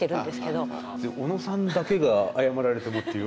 小野さんだけが謝られてもっていう。